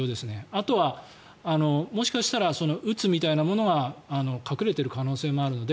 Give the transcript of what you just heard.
あとは、もしかしたらうつみたいなものが隠れている可能性もあるので。